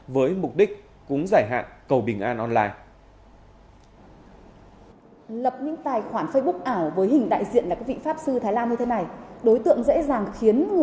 với mục đích cúng giải hạn cầu bình an online